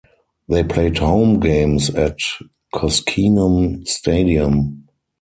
They played home games at Koskinen Stadium.